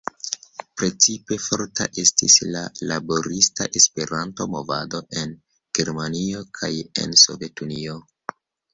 Precipe forta estis la laborista Esperanto-movado en Germanio kaj en Sovetunio.